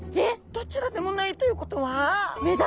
どちらでもないということは？